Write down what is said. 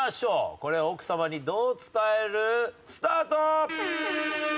これ奥さまにどう伝える？スタート！